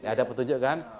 ada petunjuk kan